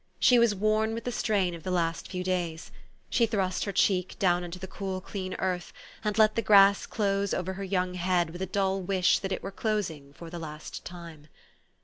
She was worn with the strain of the last few days. She thrust her cheek down into the cool, clean earth, and let the grass close over her young head with a dull wish that it were closing for the last time.